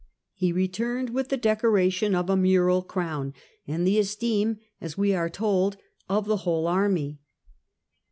He returned with the decoration of a mural crown, and the esteem, as we are told, of the whole army.